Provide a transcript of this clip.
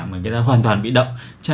mà người ta hoàn toàn bị động